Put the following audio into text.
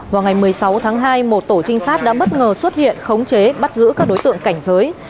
vào ngày một mươi sáu tháng hai một tổ trinh sát đã bất ngờ xuất hiện khống chế bắt giữ các đối tượng cảnh giới